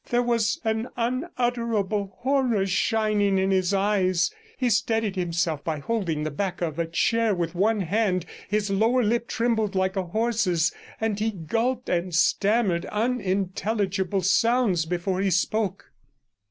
There was an unutterable horror shining in his eyes; he steadied himself by holding the back of a chair with one hand, his lower lip trembled like a horse's, and he gulped and stammered unintelligible sounds before he spoke.